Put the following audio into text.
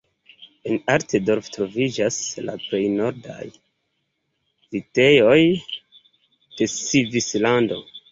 En Altdorf troviĝas la plej nordaj vitejoj de Svislando.